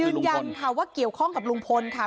ยืนยันค่ะว่าเกี่ยวข้องกับลุงพลค่ะ